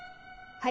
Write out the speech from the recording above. はい！